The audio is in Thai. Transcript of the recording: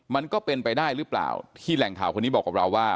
มันก็เป็นไปได้หรือเปล่าที่แหล่งข่าวคนนี้บอกกับเราว่า